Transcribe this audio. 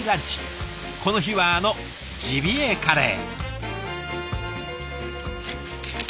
この日はあのジビエカレー。